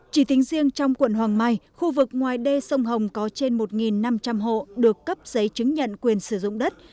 chỉ tính riêng trong quận hoàng mai khu vực ngoài đê sông hồng có trên một năm trăm linh hộ được cấp giấy chứng nhận quyền sử dụng đất